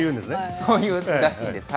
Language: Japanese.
そう言うらしいんです。